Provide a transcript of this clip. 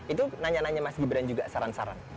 itu nanya nanya mas gibran juga saran saran